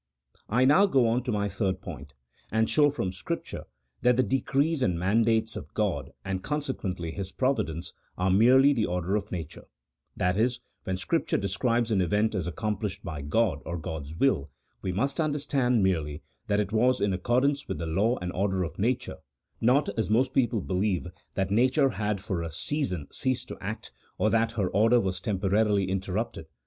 I now go on to my third point, and show from Scripture that the decrees and mandates of God, and consequently His providence, are merely the order of nature — that is, when Scripture describes an event as accomplished by God or God's will, we must understand merely that it was in accordance with the law and order of nature, not, as most people believe, that nature had for a season ceased to act, or that her order was temporarily interrupted.